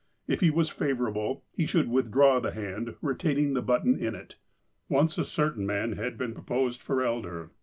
If he was favourable, he should withdraw the hand retain ing the button in it. Once a certain man had been proposed for elder.